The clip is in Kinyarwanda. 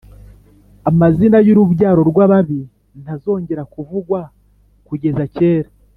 Amazina y’urubyaro rw’ababi ntazongera kuvugwa kugeza kera